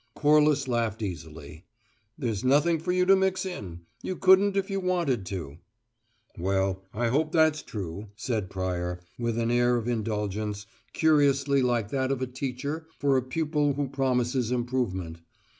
Corliss laughed, easily. "There's nothing for you to mix in. You couldn't if you wanted to." "Well, I hope that's true," said Pryor, with an air of indulgence, curiously like that of a teacher for a pupil who promises improvement.